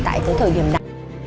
tại tới thời điểm này